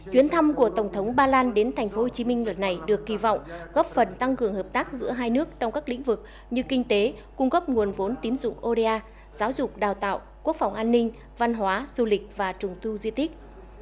chuyến thăm của tổng thống ba lan đến tp hcm đợt này được kỳ vọng góp phần tăng cường hợp tác giữa hai nước trong các lĩnh vực như kinh tế cung cấp nguồn vốn tín dụng oda giáo dục đào tạo quốc phòng an ninh văn hóa du lịch và trùng tu di tích